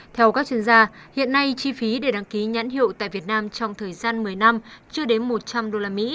theo các chuyên gia hiện nay chi phí để đăng ký nhãn hiệu tại việt nam trong thời gian một mươi năm chưa đến một trăm linh usd